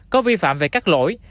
có vi phạm về các lỗi